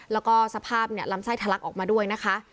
แล้วก็สภาพลำไส้ทะลักออกมาด้วยนะคะ